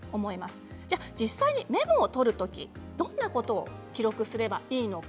実際にメモを取る時どんなことを記録すればいいのか